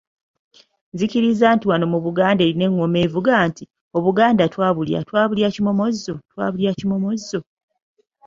"Nzikiriza ki wano mu Buganda erina engoma evuga nti “Obuganda twabulya, twabulya kimomozo, twabulya kimomozo”?"